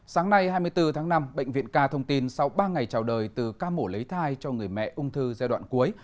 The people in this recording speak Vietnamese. sáng nay hai mươi bốn tháng năm bệnh viện k thông tin sau ba ngày trào đời từ ca mổ lấy thai cho người mẹ ung thư giai đoạn cuối